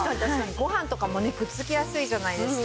ご飯とかもねくっつきやすいじゃないですか。